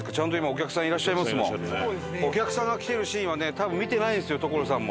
お客さんが来てるシーンはね多分見てないんですよ所さんも。